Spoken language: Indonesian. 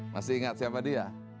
masih ingat siapa dia